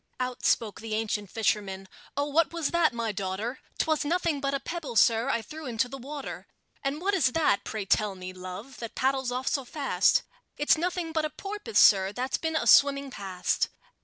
Out spoke the ancient fisherman: "Oh, what was that, my daughter?" "'Twas nothing but a pebble, sir, I threw into the water." "And what is that, pray tell me, love, that paddles off so fast?" "It's nothing but a porpoise, sir, that's been a swimming past."